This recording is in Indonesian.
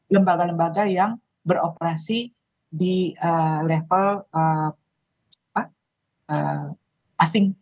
lembaga lembaga yang beroperasi di level asing